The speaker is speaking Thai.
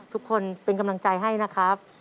ทุกคนเป็นกำลังใจให้นะครับ